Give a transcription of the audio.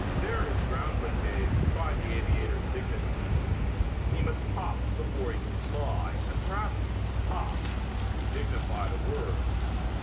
There his groundling days try the aviator's dignity. He must hop before he can fly and perhaps "hop" is too dignified a word.